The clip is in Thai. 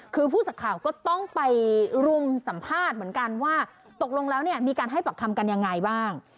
คือผู้สักข่าวก็ต้องไปรุมสัมภาษณ์เหมือนกันว่าตกลงแล้วเนี่ยมีการให้ปากคำกันยังไงบ้าง